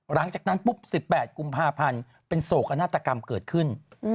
หลังจากนั้นปุ๊บ๑๘กุมภาพันธ์เป็นโศกนาฏกรรมเกิดขึ้น